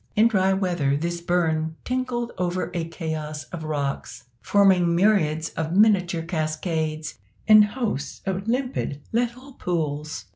In dry weather this burn tinkled over a chaos of rocks, forming myriads of miniature cascades and hosts of limpid little pools.